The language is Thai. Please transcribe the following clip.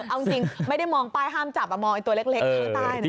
เอาจริงไม่ได้มองไปห้ามจับมามองอีกตัวเล็กในใต้